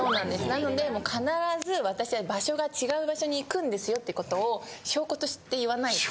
なので必ず私は場所が違う場所に行くんですよってことを証拠として言わないと。